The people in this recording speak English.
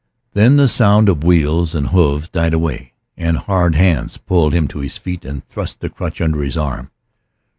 Then the sound of wheels and hoofs died away, and hard hands pulled him to his feet and thrust the crutch under his arm.